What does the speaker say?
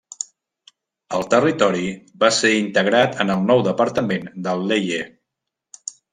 El territori va ser integrat en el nou Departament del Leie.